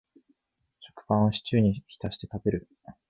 食パンをシチューに浸して食べる